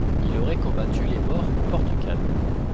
Il aurait combattu les Maures au Portugal.